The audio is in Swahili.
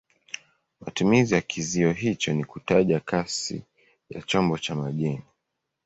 Matumizi ya kizio hicho ni kutaja kasi ya chombo cha majini.